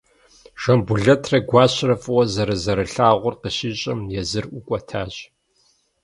Жамбулэтрэ Гуащэрэ фӏыуэ зэрызэрылъагъур къыщищӏэм, езыр ӏукӏуэтащ.